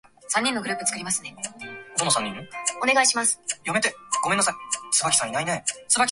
「おい、この家があやしいぜ。ごらん、門のなかにも、バッジが落ちているじゃないか。ほら、あすこにさ」